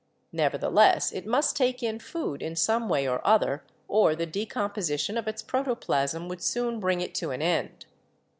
Nevertheless it must take in food in some way or other or the decomposition of its protoplasm would soon bring it to an end.